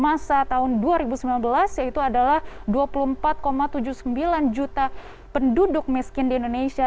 masa tahun dua ribu sembilan belas yaitu adalah dua puluh empat tujuh puluh sembilan juta penduduk miskin di indonesia